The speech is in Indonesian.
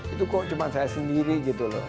itu kok cuma saya sendiri gitu loh